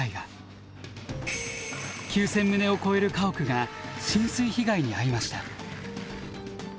９，０００棟を超える家屋が浸水被害に遭いました。